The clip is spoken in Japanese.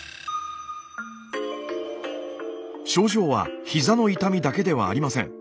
症状は膝の痛みだけではありません。